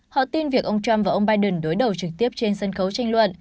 họ tin việc ông trump và ông biden đối đầu trực tiếp trên sân khấu tranh luận